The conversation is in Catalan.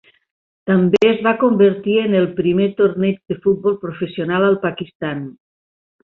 També es va convertir en el primer torneig de futbol professional al Pakistan.